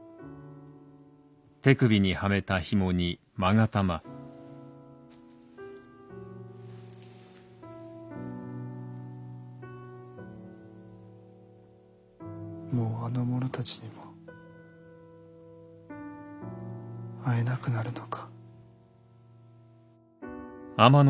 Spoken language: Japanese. もうあの者たちにも会えなくなるのか。